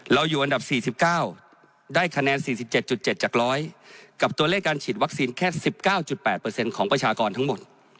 อยู่อันดับ๔๙ได้คะแนน๔๗๗จาก๑๐๐กับตัวเลขการฉีดวัคซีนแค่๑๙๘ของประชากรทั้งหมด